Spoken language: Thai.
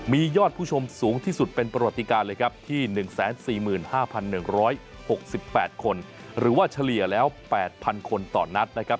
มียอดผู้ชมสูงที่สุดเป็นประวัติการเลยครับที่๑๔๕๑๖๘คนหรือว่าเฉลี่ยแล้ว๘๐๐คนต่อนัดนะครับ